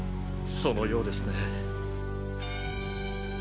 そのようですね。